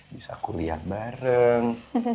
bisa kuliah bareng